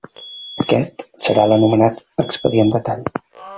Aquest serà l'anomenat expedient de tall.